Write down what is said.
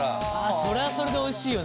それはそれでおいしいよね。